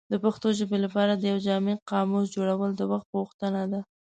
د پښتو ژبې لپاره د یو جامع قاموس جوړول د وخت غوښتنه ده.